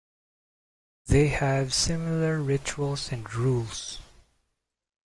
They have similar rituals and rules.